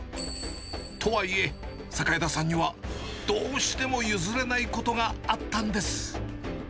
とはいえ、榮田さんには、どうしても譲れないことがあったんです。